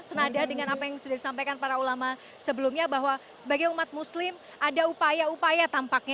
senada dengan apa yang sudah disampaikan para ulama sebelumnya bahwa sebagai umat muslim ada upaya upaya tampaknya